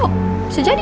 oh bisa jadi